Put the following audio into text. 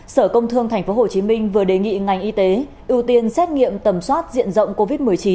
sở công thương tp hcm vừa đề nghị ngành y tế ưu tiên xét nghiệm tầm soát diện rộng covid một mươi chín